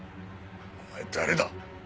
お前誰だ？